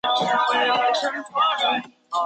军用和民用飞机都可以使用敌友识别系统。